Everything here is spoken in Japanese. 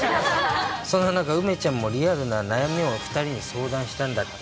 そんな中、梅ちゃんもリアルな悩みを２人に相談したんだって。